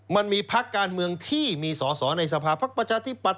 มันมีภักดิ์การเมืองที่มีสสในสภาพักประชาธิบัติภักดิ์